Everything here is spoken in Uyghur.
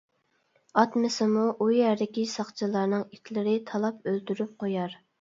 — ئاتمىسىمۇ، ئۇ يەردىكى ساقچىلارنىڭ ئىتلىرى تالاپ ئۆلتۈرۈپ قويار!